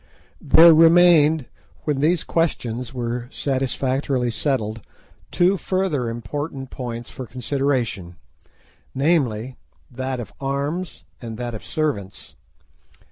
There remained, when these questions were satisfactorily settled, two further important points for consideration, namely, that of arms and that of servants.